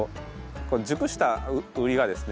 熟したウリがですね